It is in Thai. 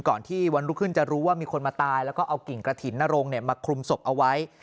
ที่วันรุ่งขึ้นจะรู้ว่ามีคนมาตายแล้วก็เอากิ่งกระถิ่นนรงมาคลุมศพเอาไว้